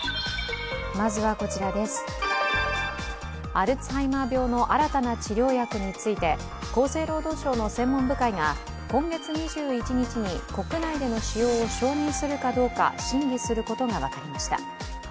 アルツハイマー病の新たな治療薬について厚生労働省の専門部会が今月２１日に国内での使用を承認するかどうか審議することが分かりました。